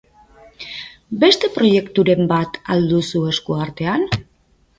Beste proiekturen bat al duzu esku artean?